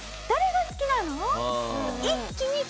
誰が好きなの？」。